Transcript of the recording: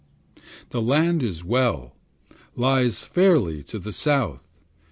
The land is well, lies fairly to the south.